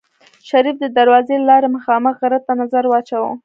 شريف د دروازې له لارې مخامخ غره ته نظر واچوه.